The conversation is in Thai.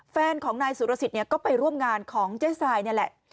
แฟนของนายสุรสิทธิ์ก็ไปร่วมงานของเจ๊ทรายนี่แหละ